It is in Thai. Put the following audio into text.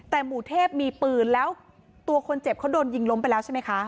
แต่หมู่เทพมีปืนแล้วตัวคนเจ็บเขาโดนยิงล้มไปแล้วใช่ไหมคะ